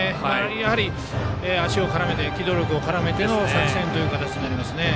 やはり足を絡めて機動力を絡めての作戦となります。